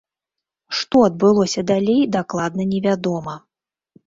Што адбылося далей, дакладна невядома.